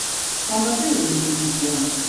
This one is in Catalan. Quan va fer oposicions?